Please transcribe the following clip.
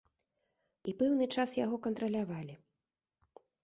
І пэўны час яго кантралявалі.